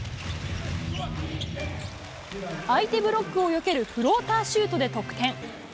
相手ブロックをよけるフローターシュートで得点。